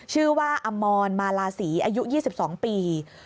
ชื่อว่าอมรมาลาศรีอายุ๒๒ปี